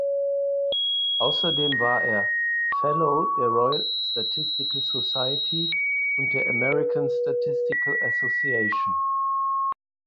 Außerdem war er Fellow der Royal Statistical Society und der American Statistical Association.